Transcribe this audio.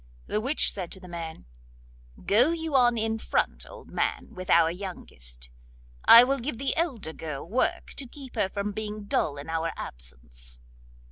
The witch said to the man: 'Go you on in front, old man, with our youngest; I will give the elder girl work to keep her from being dull in our absence.